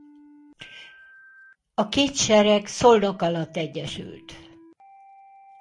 A két sereg Szolnok alatt egyesült.